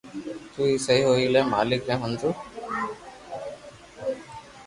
ايم تو سھي ھوئئي جي مالڪ ني منظو